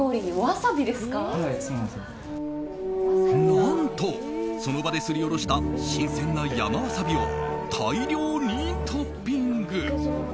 何と、その場ですりおろした新鮮な山わさびを大量にトッピング。